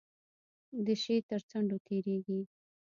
د شی تر څنډو تیریږي.